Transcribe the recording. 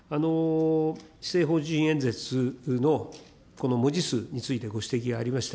施政方針演説のこの文字数について、ご指摘がありました。